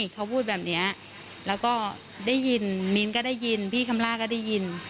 เขาพูดแบบนี้แล้วก็ได้ยินมิ้นก็ได้ยินพี่คำล่าก็ได้ยิน